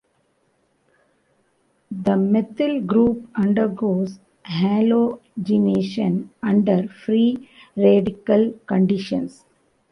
The methyl group undergoes halogenation under free radical conditions.